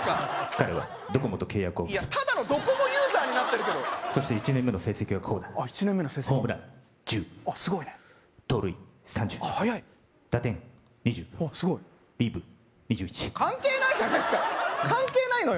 彼はドコモと契約を結びただのドコモユーザーになってるけどそして１年目の成績はこうだ１年目の成績ホームラン１０あっすごいね盗塁３０あっ速い打点２０あっすごいリーブ２１関係ないじゃないっすか関係ないのよ